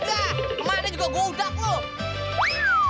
kemana juga gue udap lo